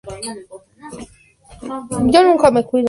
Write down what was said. El campus principal está en la ciudad de Zamboanga, Filipinas.